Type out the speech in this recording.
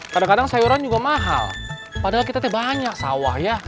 kadang kadang sayuran juga mahal padahal kita tuh banyak sawah ya